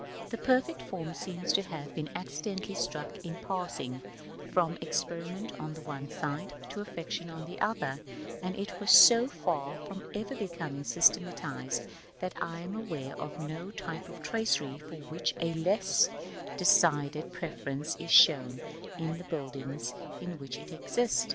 The perfect form seems to have been accidentally struck in passing from experiment on the one side, to affectation on the other; and it was so far from ever becoming systematised, that I am aware of no type of tracery for which a less decided preference is shown in the buildings in which it exists.